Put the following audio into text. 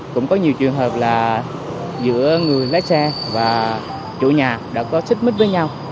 cũng có nhiều trường hợp là giữa người lái xe và chủ nhà đã có xích mít với nhau